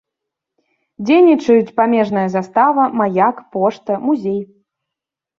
Дзейнічаюць памежная застава, маяк, пошта, музей.